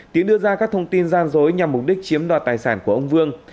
tiến đưa ra các thông tin gian dối nhằm mục đích chiếm đoạt tài sản của ông vương